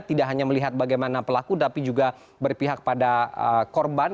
tidak hanya melihat bagaimana pelaku tapi juga berpihak pada korban